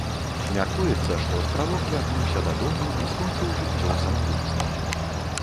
Мяркуецца што стралок вярнуўся дадому і скончыў жыццё самагубствам.